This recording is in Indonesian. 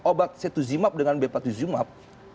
obat c dua zimab dengan b empat zimab